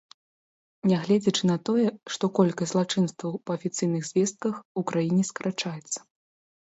Нягледзячы на тое, што колькасць злачынстваў, па афіцыйных звестках, у краіне скарачаецца.